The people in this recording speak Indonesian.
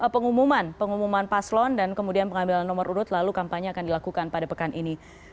pengumuman pengumuman paslon dan kemudian pengambilan nomor urut lalu kampanye akan dilakukan pada pekan ini